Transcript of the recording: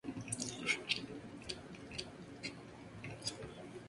James Avery tenía un hijastro y dos hijos adoptivos.